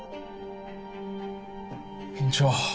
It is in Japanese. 院長